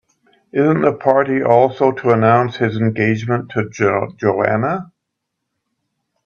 Isn't the party also to announce his engagement to Joanna?